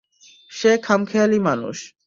সে খামখেয়ালি মানুষ।